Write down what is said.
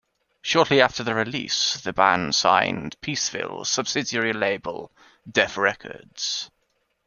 Shortly after the release, the band signed to Peaceville's subsidiary label, Deaf Records.